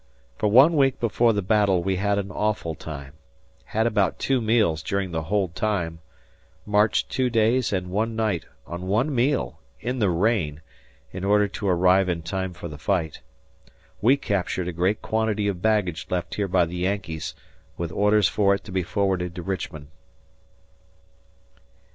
For one week before the battle we had an awful time, had about two meals during the whole time, marched two days and one night on one meal, in the rain, in order to arrive in time for the fight. ... We captured a great quantity of baggage left here by the Yankees; with orders for it to be forwarded to Richmond.